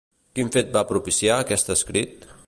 Quin fet va propiciar aquest escrit?